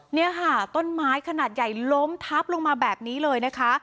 เนี่ยค่ะต้นไม้ขนาดใหญ่ล้มทับลงมาแบบนี้เลยนะคะ